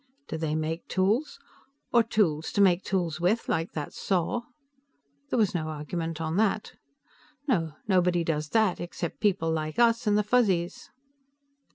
"Do they make tools? Or tools to make tools with, like that saw?" There was no argument on that. "No. Nobody does that except people like us and the Fuzzies."